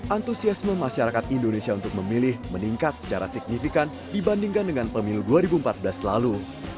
antusiasme masyarakat indonesia untuk memilih meningkat secara signifikan dibandingkan dengan pemilu dua ribu empat belas lalu